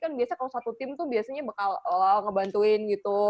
kan biasanya kalau satu tim tuh biasanya bakal ngebantuin gitu